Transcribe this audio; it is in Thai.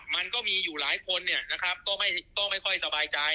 มันก็มีอยู่หลายคนเนี่ยนะครับก็ไม่ค่อยสบายใจ